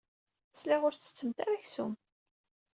Sliɣ ur tettettemt ara aksum.